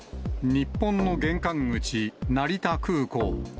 日本の玄関口、成田空港。